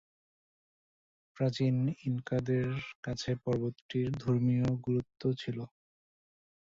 প্রাচীন ইনকাদের কাছে পর্বতটির ধর্মীয় গুরুত্ব ছিল।